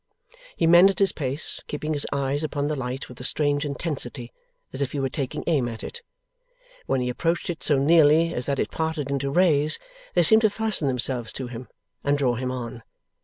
He mended his pace, keeping his eyes upon the light with a strange intensity, as if he were taking aim at it. When he approached it so nearly as that it parted into rays, they seemed to fasten themselves to him and draw him on.